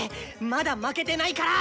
まだ負けてないから！